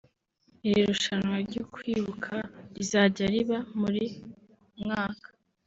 Iri rushanwa ryo kwibuka rizajya riba muri mwaka